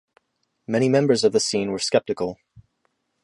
Many members of the scene were skeptical.